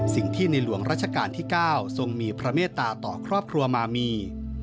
สิ่งที่ในหลวงราชการที่๙ทรงมีพระเมตตาต่อครอบครัวมามี